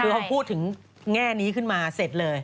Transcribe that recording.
คือเขาพูดถึงแง่นี้ขึ้นมาเสร็จเลย